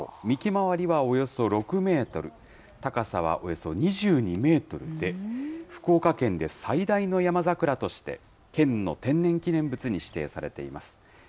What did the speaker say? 幹まわりはおよそ６メートル、高さはおよそ２２メートルで、福岡県で最大の山桜として、県の天然記念物に指定されています。